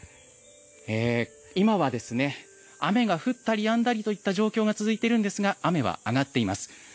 今は雨が降ったりやんだりといった状況が続いているんですが雨は上がっています。